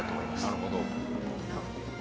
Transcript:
なるほど。